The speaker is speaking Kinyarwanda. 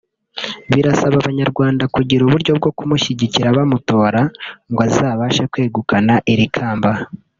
birasaba Abanyarwanda kugira uburyo bwo kumushyigikira bamutora ngo azabashe kwegukana iri kamba